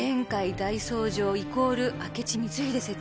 大僧正イコール明智光秀説